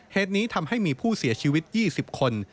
เหตุนี้ทำให้มีผู้เสียชีวิต๒๐คน